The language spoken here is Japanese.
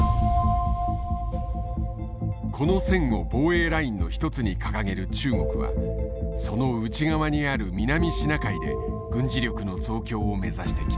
この線を防衛ラインの一つに掲げる中国はその内側にある南シナ海で軍事力の増強を目指してきた。